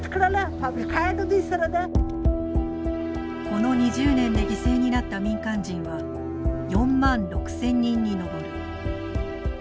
この２０年で犠牲になった民間人は４万６，０００人に上る。